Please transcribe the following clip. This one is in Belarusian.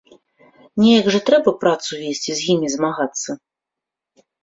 Неяк жа трэба працу весці, з імі змагацца.